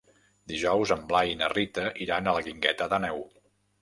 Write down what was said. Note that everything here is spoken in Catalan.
Dijous en Blai i na Rita iran a la Guingueta d'Àneu.